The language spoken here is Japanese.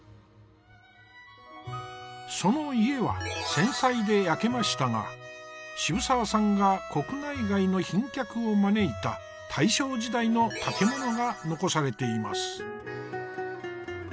その家は戦災で焼けましたが渋沢さんが国内外の賓客を招いた大正時代の建物が残されています。